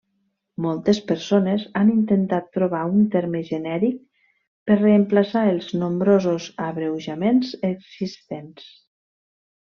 Moltes persones han intentat trobar un terme genèric per reemplaçar els nombrosos abreujaments existents.